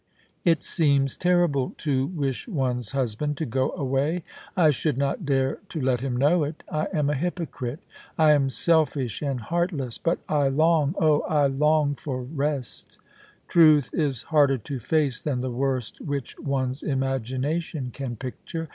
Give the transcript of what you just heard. It seems terrible to wish one's husband to go away — I should not dare to let him know it I am a hypo crite — I am selfish and heartless — but I long — oh ! I long for rest Truth is harder to face than the worst which one's imagination can picture.